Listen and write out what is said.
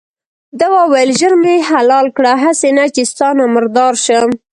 ده وویل ژر مې حلال کړه هسې نه چې ستا نه مردار شم.